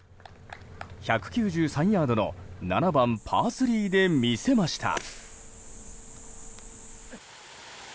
１９３ヤードの７番、パー３で見せました。